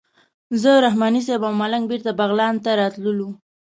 زه رحماني صیب او ملنګ بېرته بغلان ته راتللو.